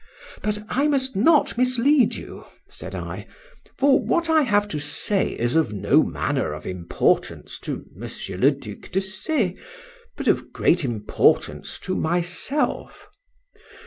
—But I must not mislead you, said I,—for what I have to say is of no manner of importance to Monsieur le Duc de C— —but of great importance to myself.